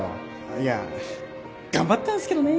いや頑張ったんすけどね